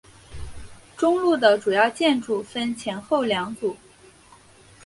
中路的主要建筑分前后两组。